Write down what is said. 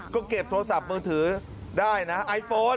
ก็เก็บโทรศัพท์มือถือได้นะไอโฟน